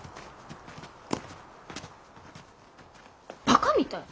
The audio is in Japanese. バカみたい。